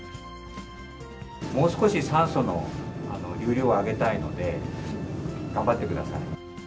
もう少し酸素の流入量を上げたいので、頑張ってください。